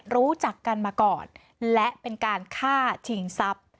รู้จักกันมาก่อนและเป็นการฆ่าชิงทรัพย์